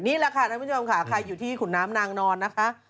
นี่แหละค่ะท่านผู้ชมค่ะใครอยู่ที่ขุนน้ำนางนอนนะคะ